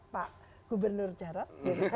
pak gubernur jarad